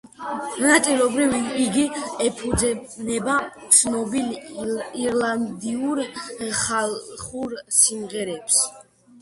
ნაწილობრივ იგი ეფუძნება ცნობილ ირლანდიურ ხალხურ სიმღერებს.